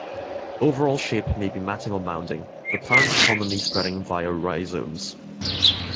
Overall shape may be matting or mounding, the plants commonly spreading via rhizomes.